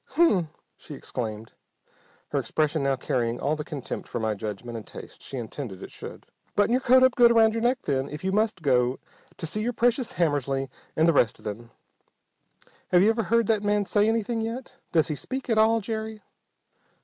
"Hm m!" she exclaimed, her expression now carrying all the contempt for my judgment and taste she intended it should. "Button your coat up good around your neck, then, if you must go to see your precious Hammersly and the rest of them. Have you ever heard that man say anything yet? Does he speak at all, Jerry?"